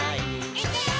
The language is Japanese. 「いくよー！」